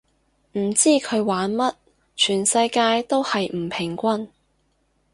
唔知佢玩乜，全世界都係唔平均